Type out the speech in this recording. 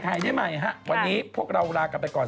กีดปุ๊บเมื่อถึงเวลามันก็ยิ่งลง